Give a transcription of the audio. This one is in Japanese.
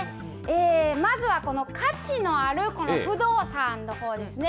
まずはこの価値のある不動産のほうですね。